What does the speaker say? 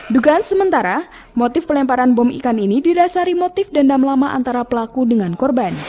dugaan sementara motif pelemparan bom ikan ini didasari motif dendam lama antara pelaku dengan korban